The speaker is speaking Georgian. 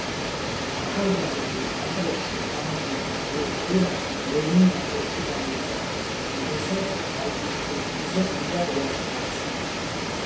ახალგაზრდულ ნაკრებში თამაშიდან ორ კვირაში ეროვნულ ნაკრებში გამოიძახეს, რომელსაც მალტის ტურნირზე უნდა ეასპარეზა.